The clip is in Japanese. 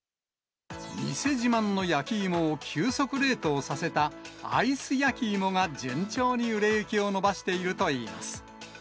店自慢の焼き芋を、急速冷凍させたアイス焼き芋が順調に売れ行きを伸ばしているといいます。